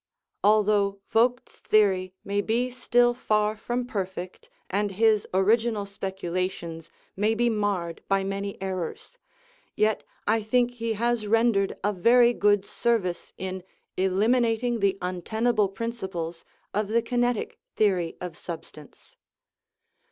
Al though Vogt's theory may be still far from perfect, and his original speculations may be marred by many errors, yet I think he has rendered a very good service in eliminating the untenable principles of the kinetic theory of substance.